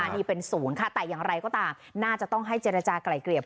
นี่เป็นศูนย์ค่ะน่าจะต้องใช้เจรจากลายเกลียบ